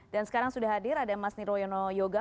dan sekarang sudah hadir ada mas niro yono yoga